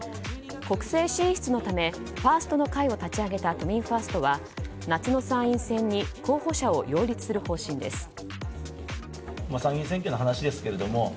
国政進出のためファーストの会を立ち上げた都民ファーストは夏の参院選に候補者を擁立する方針です。